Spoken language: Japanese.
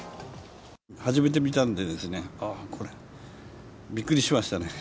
初めて見たのでですね、ああ、これ、びっくりしましたね。